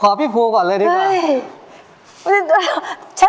อะไรนะ